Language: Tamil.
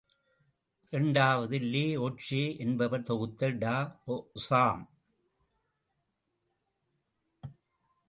இரண்டாவது, லே ஓ ட்சே என்பவர் தொகுத்த டா ஓஸம்!